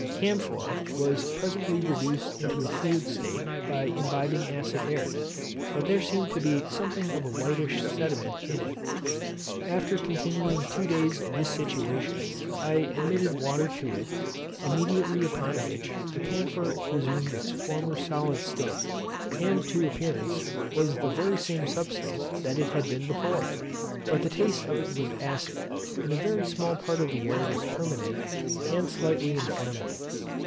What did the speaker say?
Camphor was presently reduced into a fluid state by imbibing acid air, but there seemed to be something of a whitish sediment in it. After continuing two days in this situation I admitted water to it; immediately upon which the camphor resumed its former solid state, and, to appearance, was the very same substance that it had been before; but the taste of it was acid, and a very small part of the air was permanent, and slightly inflammable.